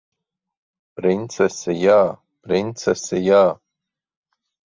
Princesi jā! Princesi jā!